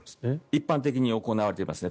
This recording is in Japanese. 一般的に行われていますよね。